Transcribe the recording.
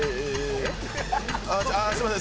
あすいません。